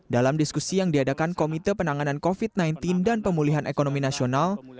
dalam diskusi yang diadakan komite penanganan covid sembilan belas dan pemulihan ekonomi nasional